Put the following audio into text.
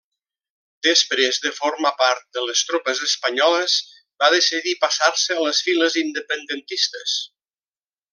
Després de formar part de les tropes espanyoles, va decidir passar-se a les files independentistes.